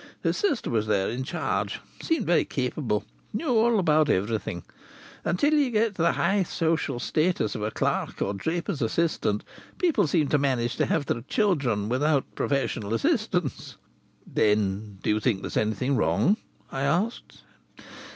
His sister was there, in charge. Seemed very capable. Knew all about everything. Until ye get to the high social status of a clerk or a draper's assistant people seem to manage to have their children without professional assistance." "Then do you think there's anything wrong?" I asked.